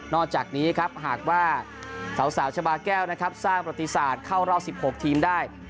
อกจากนี้ครับหากว่าสาวชาบาแก้วนะครับสร้างประติศาสตร์เข้ารอบ๑๖ทีมได้